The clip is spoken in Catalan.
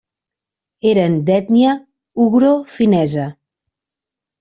Eren d'ètnia ugrofinesa.